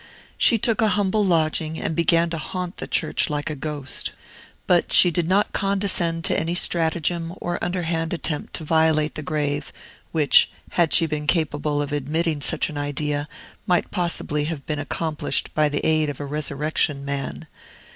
She took a humble lodging and began to haunt the church like a ghost. But she did not condescend to any stratagem or underhand attempt to violate the grave, which, had she been capable of admitting such an idea, might possibly have been accomplished by the aid of a resurrection man.